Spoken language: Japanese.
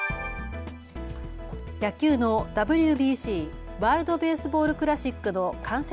野球のＷＢＣ・ワールド・ベースボール・クラシックの観戦